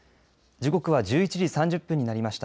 時刻は１１時３０分になりました。